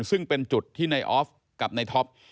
ซึ่งเป็นจุดที่ในออฟกับในท็อป